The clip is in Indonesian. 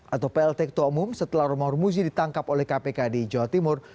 atau plt ketua umum setelah romahur muzi ditangkap oleh kpk di jawa timur